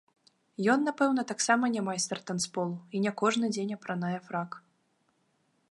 Ён, напэўна, таксама не майстар танцполу і не кожны дзень апранае фрак.